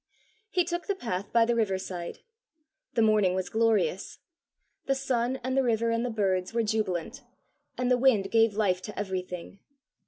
He took the path by the river side. The morning was glorious. The sun and the river and the birds were jubilant, and the wind gave life to everything.